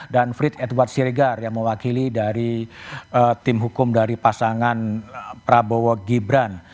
dan frit edward sirigar yang mewakili dari tim hukum dari pasangan prabowo gibran